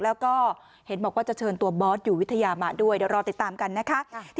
แล้วก็เห็นบอกว่าจะเชิญตัวบอสอยู่วิทยามาด้วยเดี๋ยวรอติดตามกันนะคะ